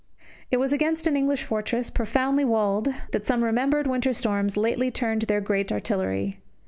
It was against an English fortress, profoundly walled, that some remembered winter storms lately turned their great artillery.